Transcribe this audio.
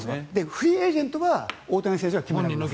フリーエージェントは大谷選手が決められます。